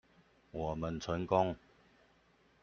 我們成功